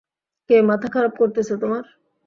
কে মাথা খারাপ করতেছে তোমার?